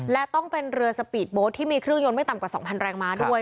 และต้องเป็นเรือสปีดโบ๊ทที่มีเครื่องยนต์ไม่ต่ำกว่า๒๐๐แรงม้าด้วย